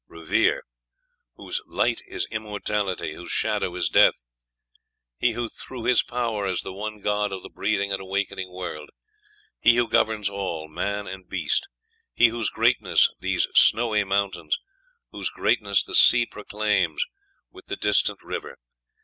"revere; whose light is immortality; whose shadow is death.... He who through his power is the one God of the breathing and awakening world. He who governs all, man and beast. He whose greatness these snowy mountains, whose greatness the sea proclaims, with the distant river.